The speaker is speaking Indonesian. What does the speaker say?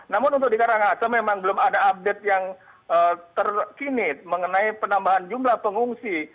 namun untuk di karangasem memang belum ada update yang terkini mengenai penambahan jumlah pengungsi